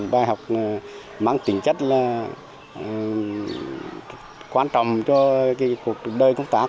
bài học mang tính chất là quan trọng cho cuộc đời công tác